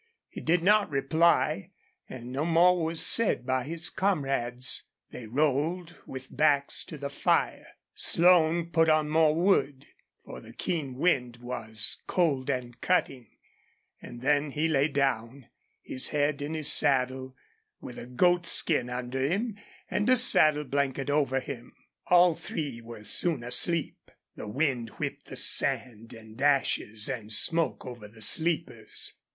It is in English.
He did not reply, and no more was said by his comrades. They rolled with backs to the fire. Slone put on more wood, for the keen wind was cold and cutting; and then he lay down, his head in his saddle, with a goatskin under him and a saddle blanket over him. All three were soon asleep. The wind whipped the sand and ashes and smoke over the sleepers.